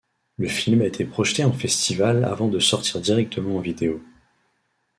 Le film a été projeté en festival avant de sortir directement en vidéo.